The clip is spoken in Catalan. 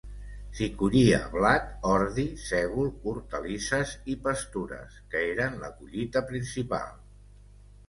S'hi collia blat, ordi, sègol, hortalisses i pastures, que eren la collita principal.